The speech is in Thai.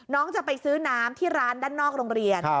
น้องจะไปซื้อน้ำที่ร้านด้านนอกโรงเรียน